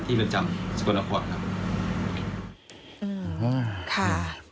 ที่เรียนจำสกลนครบอกครับ